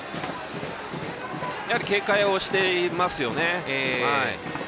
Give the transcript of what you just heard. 警戒をしていますね。